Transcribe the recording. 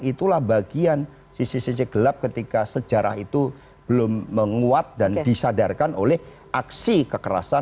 itulah bagian sisi sisi gelap ketika sejarah itu belum menguat dan disadarkan oleh aksi kekerasan